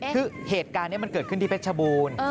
คือเหตุการณ์นี้มันเกิดขึ้นที่เพชรชบูรณ์